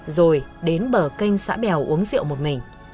rồi đến bờ kênh xã bèo uống rượu một mình